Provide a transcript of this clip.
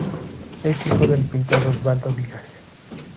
Es hijo del pintor Oswaldo Vigas.